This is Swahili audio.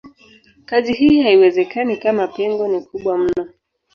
Kazi hii haiwezekani kama pengo ni kubwa mno.